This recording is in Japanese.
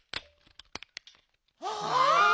あ！